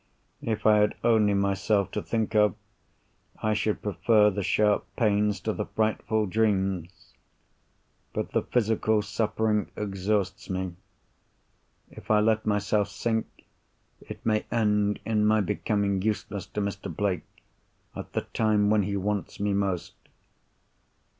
If I had only myself to think of, I should prefer the sharp pains to the frightful dreams. But the physical suffering exhausts me. If I let myself sink, it may end in my becoming useless to Mr. Blake at the time when he wants me most.